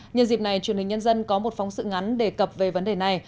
nhân dịp này truyền hình nhân dân có một phóng sự ngắn đề cập về vấn đề này